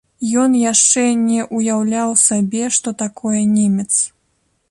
Ён яшчэ не ўяўляў сабе, што такое немец.